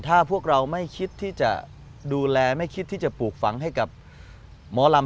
ถ้าพวกเราไม่คิดที่จะดูแลไม่คิดที่จะปลูกฝังให้กับหมอลำ